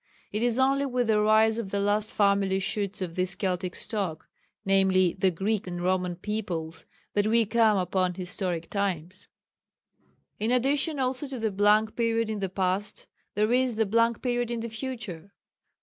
It is only with the rise of the last family shoots of this Keltic stock, viz., the Greek and Roman peoples, that we come upon historic times. In addition also to the blank period in the past, there is the blank period in the future.